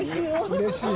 うれしい。